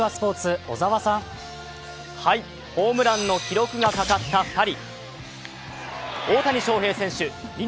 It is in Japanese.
ホームランの記録がかかった２人。